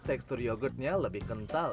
tekstur yogurtnya lebih kental